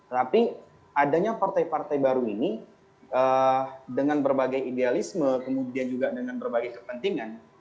tapi adanya partai partai baru ini dengan berbagai idealisme kemudian juga dengan berbagai kepentingan